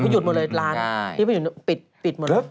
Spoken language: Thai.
หยุดหมดเลยร้านที่ไม่หยุดปิดหมดเลย